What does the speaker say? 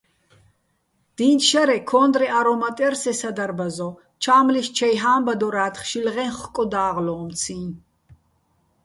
დი́ნჩო̆ შარე, ქო́ნდრეჼ არომატ ჲარ სე სადარბაზო, ჩა́მლიშ ჩაჲ ჰა́მბადორა́თხ შილღეჼ ხკოდა́ღლო́მციჼ.